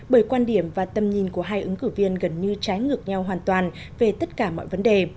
bởi quan điểm và tầm nhìn của hai ứng cử viên gần như trái ngược nhau hoàn toàn về tất cả mọi vấn đề